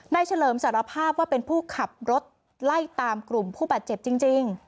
เฉลิมสารภาพว่าเป็นผู้ขับรถไล่ตามกลุ่มผู้บาดเจ็บจริง